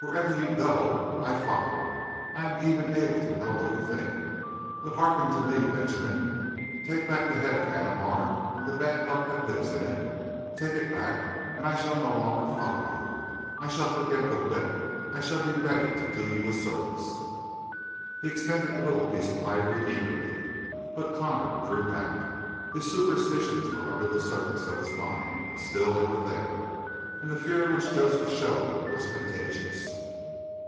Wherever you go I follow; I am even able to know what you think! But hearken to me, Benjamin. Take back the head of Haneemar and the bad luck that lives in it. Take it back, and I shall no longer follow you. I shall forget the whip. I shall be ready to do you a service." He extended the little piece of ivory eagerly, but Connor drew back. His superstitions were under the surface of his mind, but, still, they were there, and the fear which Joseph showed was contagious.